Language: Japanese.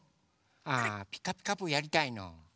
あ「ピカピカブ！」やりたいの？